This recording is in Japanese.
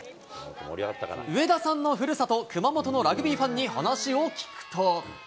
上田さんのふるさと、熊本のラグビーファンに話を聞くと。